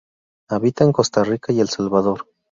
Habita en Costa Rica y El Salvador.